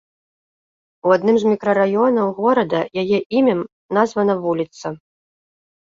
У адным з мікрараёнаў горада яе імем названа вуліца.